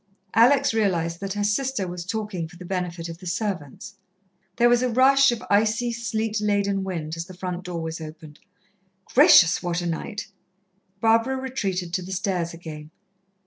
Alex realized that her sister was talking for the benefit of the servants. There was a rush of icy, sleet laden wind, as the front door was opened. "Gracious, what a night!" Barbara retreated to the stairs again.